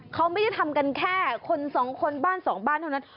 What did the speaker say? เขาไม่ได้ทำกันแค่คนสองคนบ้านสองบ้านเท่านั้น